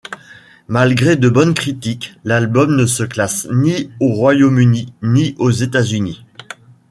Malgré de bonnes critiques, l'album ne se classe ni au Royaume-Uni, ni aux États-Unis.